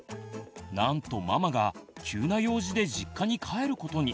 なんとママが急な用事で実家に帰ることに。